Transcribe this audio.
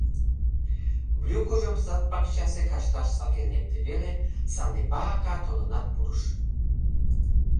Брюкыжым сад-пакчасе кашташ сакен лекте веле, Санепа ака толынат пурыш.